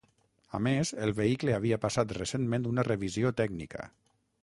A més, el vehicle havia passat recentment una revisió tècnica.